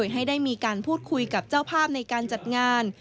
ให้ได้มีการพูดคุยกับเจ้าภาพในการจัดงาน